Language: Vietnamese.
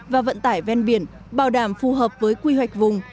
và vận tải ven biển bảo đảm phù hợp với quy hoạch vùng